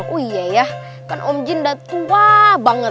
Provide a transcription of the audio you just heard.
oh iya ya kan om jin udah tua banget